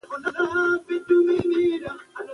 ماشومان د لوبو په جریان کې د همکارۍ تجربه ترلاسه کوي.